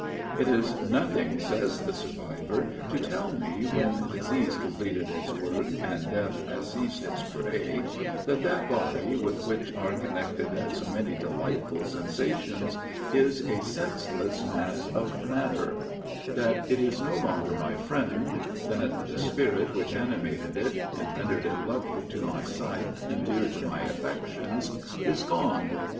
It is nothing, says the survivor, to tell me, when disease completed its work and death has seized its prey, that that body, with which are connected so many delightful sensations, is a senseless mass of matter: that it is no longer my friend; that the spirit which animated it, and rendered it lovely to my sight and dear to my affections, is gone.